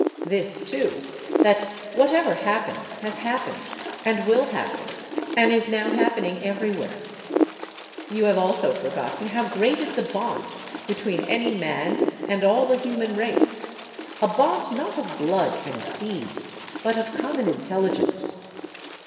This, too, that whatever happens has happened, and will happen, and is now happening everywhere. You have also forgotten how great is the bond between any man and all the human race, a bond not of blood and seed, but of common intelligence.